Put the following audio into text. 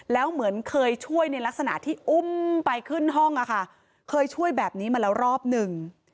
แล้วเหมือนเคยช่วยในลักษณะที่อุ้มไปขึ้นห้องอะค่ะเคยช่วยแบบนี้มาแล้วรอบหนึ่ง